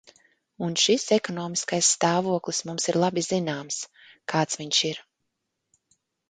Un šis ekonomiskais stāvoklis mums ir labi zināms, kāds viņš ir.